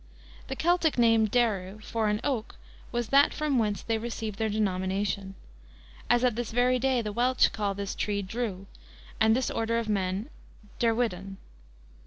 The Celtic name Deru, for an Oak was that from whence they received their denomination; as at this very day the Welch call this tree Drew, and this order of men Derwyddon.